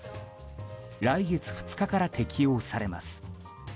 来月２日から適用されます。